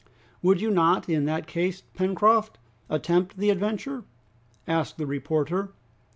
"Would you not, in that case, Pencroft, attempt the adventure?" asked the reporter.